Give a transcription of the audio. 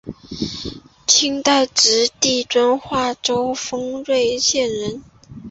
清代直隶遵化州丰润县人。